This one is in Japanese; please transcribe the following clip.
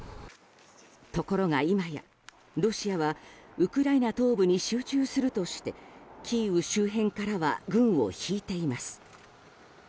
ところが、今やロシアはウクライナ東部に集中するとしてキーウ周辺からは軍を引いています。